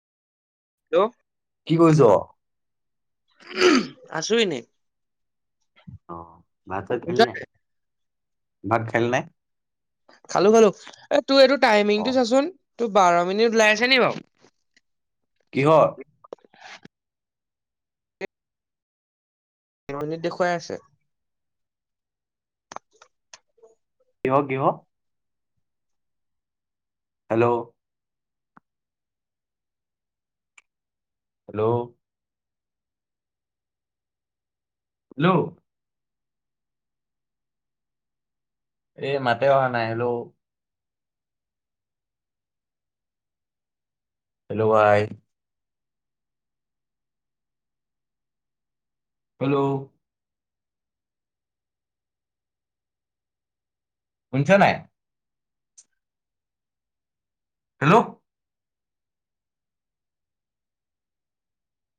Hello. কি কৈছ'? উমহ্ আছো এনেই। অ' ভাত-চাত খাললি নাই ভাত খেল নাই? খালোঁ খালোঁ এ তোৰ এইটো অ টাইমিংটো চাচোন তোৰ বাৰ মিনিট ওলাই আছে নি বাৰু? কিহৰ। তেৰ মিনিট দেখুৱাই আছে। কিহ কিহ? হেল্ল'। হেল্ল'। হেল্ল'। এই মাতে অহা নাই হেল্ল'। হেল্ল' ভাই। হেল্ল'। শুনিছ নাই? হেল্ল'।